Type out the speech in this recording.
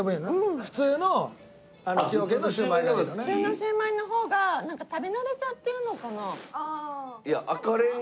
普通のシウマイの方がなんか食べ慣れちゃってるのかな？